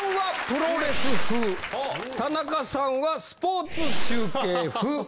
田中さんはスポーツ中継風。